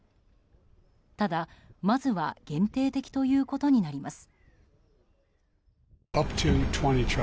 ただ、まずは限定的ということになります。